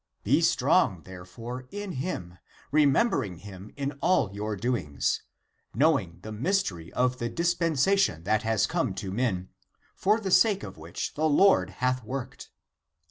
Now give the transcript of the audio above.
Be strong, therefore, in him, remembering him in all your doings, knowing the mystery of the dispensa tion that has come to men, for the sake of which the Lord hath worked.